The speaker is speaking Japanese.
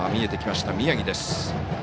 宮城です。